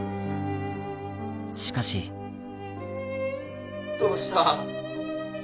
しかしどうした？